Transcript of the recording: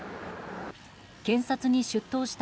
検察に出頭した